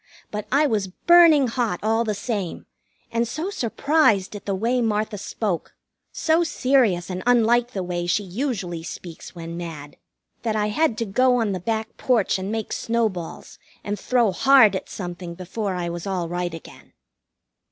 But I was burning hot all the same, and so surprised at the way Martha spoke, so serious and unlike the way she usually speaks when mad, that I had to go on the back porch and make snowballs and throw hard at something before I was all right again.